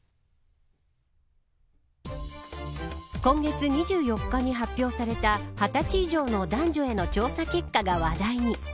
今月２４日に発表された２０歳以上の男女への調査結果が話題に。